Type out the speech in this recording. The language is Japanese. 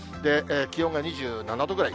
気温が２７度ぐらい。